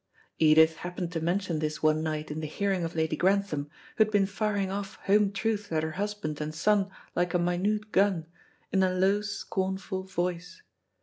Edith happened to mention this one night in the hearing of Lady Grantham, who had been firing off home truths at her husband and son like a minute gun, in a low, scornful voice.